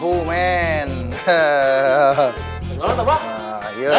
udah berangkat bang